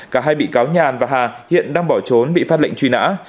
cả hai bị cáo nhàn và hà hiện đang bỏ trốn bị phát lệnh truy nã